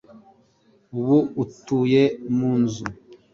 Ubu atuye mu nzu.